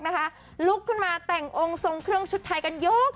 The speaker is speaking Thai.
ลุกขึ้นมาแต่งองค์ทรงเครื่องชุดไทยกันยก